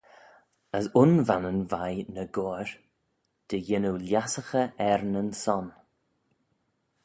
As un vannan veih ny goair, dy yannoo lhiasaghey er nyn son.